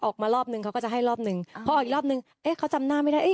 ออกมารอบนึงเขาก็จะให้รอบหนึ่งพอออกอีกรอบนึงเอ๊ะเขาจำหน้าไม่ได้เอ๊